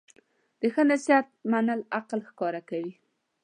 د ښه نصیحت منل عقل ښکاره کوي.